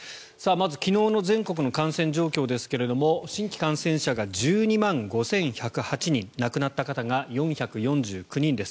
まず、昨日の全国の感染状況ですけれども新規感染者が１２万５１０８人亡くなった方が４４９人です。